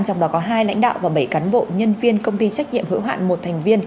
trong đó có hai lãnh đạo và bảy cán bộ nhân viên công ty trách nhiệm hữu hạn một thành viên